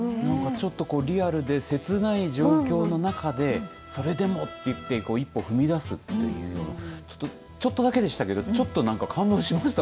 ちょっとリアルで切ない状況の中でそれでもって言って一歩を踏み出すというのがちょっとだけでしたけど感動しました。